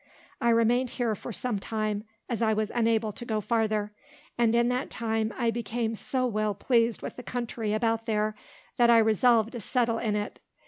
I remained here for some time, as I was unable to go farther; and in that time, I became so well pleased with the country about there, that I resolved to settle in it.